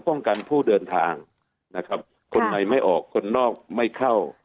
ป้องกันผู้เดินทางนะครับคนในไม่ออกคนนอกไม่เข้า